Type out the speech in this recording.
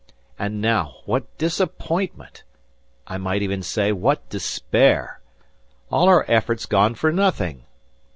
And now what disappointment! I might even say, what despair! All our efforts gone for nothing!